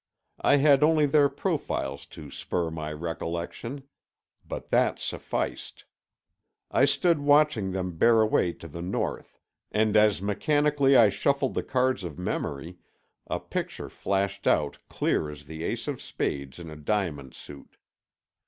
I had only their profiles to spur my recollection. But that sufficed. I stood watching them bear away to the north, and as mechanically I shuffled the cards of memory a picture flashed out clear as the ace of spades in a diamond suit.